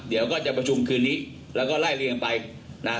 เดี๋ยวก็จะประชุมคืนนี้แล้วก็ไล่เรียงไปนะฮะ